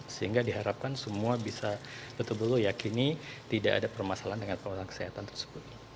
sehingga diharapkan semua bisa betul betul yakini tidak ada permasalahan dengan permasalahan kesehatan tersebut